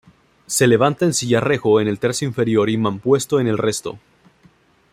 Se levanta en sillarejo en el tercio inferior y mampuesto en el resto.